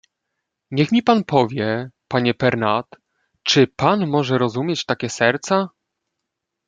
"Niech mi pan powie, panie Pernat, czy pan może rozumieć takie serca?"